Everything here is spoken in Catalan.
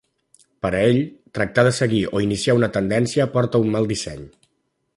Per a ell, tractar de seguir o iniciar una tendència porta a un mal disseny.